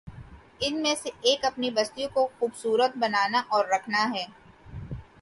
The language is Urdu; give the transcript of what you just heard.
ان میں سے ایک اپنی بستیوں کو خوب صورت بنانا اور رکھنا ہے۔